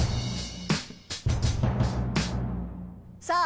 さあ